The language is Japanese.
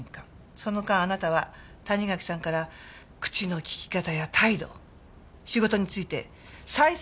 その間あなたは谷垣さんから口の利き方や態度仕事について再三注意を受けていた。